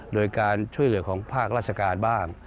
โดยการช่วยเหลือของภาคราชการบ้าง